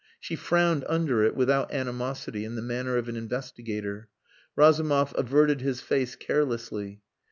She frowned under it without animosity, in the manner of an investigator. Razumov averted his face carelessly.